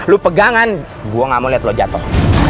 lu pegangan gue gak mau liat lu jatoh